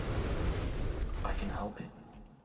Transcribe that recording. I can help him!